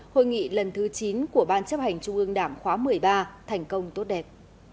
hội nghị lần thứ chín của ban chấp hành trung ương đảng khóa một mươi ba thành công tốt đẹp